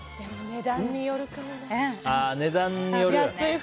でも値段によると思う。